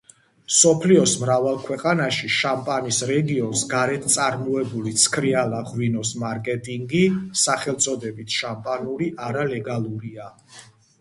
მსოფლიოს მრავალ ქვეყანაში შამპანის რეგიონს გარეთ წარმოებული ცქრიალა ღვინოს მარკეტინგი სახელწოდებით „შამპანური“ არალეგალურია.